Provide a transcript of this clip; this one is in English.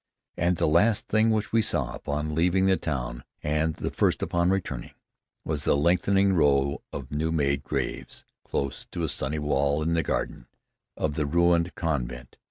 And the last thing which we saw upon leaving the town, and the first upon returning, was the lengthening row of new made graves close to a sunny wall in the garden of the ruined convent.